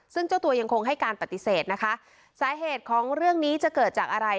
ซึ่งเจ้าตัวยังคงให้การปฏิเสธนะคะสาเหตุของเรื่องนี้จะเกิดจากอะไร